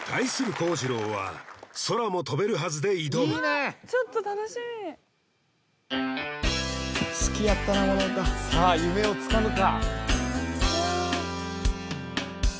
こうじろうは「空も飛べるはず」で挑むちょっと楽しみ好きやったなこの歌さあ夢をつかむか？